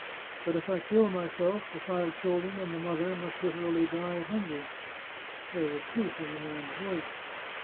But if I kill myself, the five children and the mother must literally die of hun ger." There was truth in the man's voice.